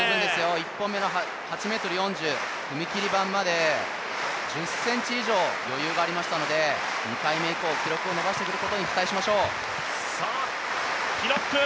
１本目の８ｍ４０、踏切板まで１０ｃｍ以上余裕がありましたので、２回目以降、記録を伸ばしてくることに期待しましょう。